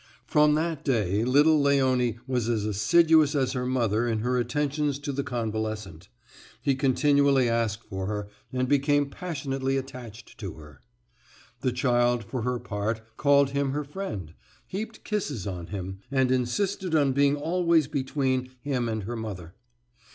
From that day, little Léonie was as assiduous as her mother in her attentions to the convalescent. He continually asked for her, and became passionately attached to her. The child, for her part, called him her friend, heaped kisses on him, and insisted on being always between him and her mother.